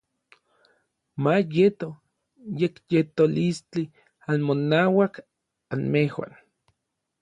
Ma yeto yekyetolistli anmonauak anmejuan.